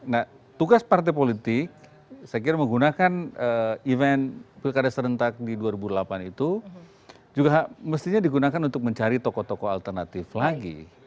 nah tugas partai politik saya kira menggunakan event pilkada serentak di dua ribu delapan itu juga mestinya digunakan untuk mencari tokoh tokoh alternatif lagi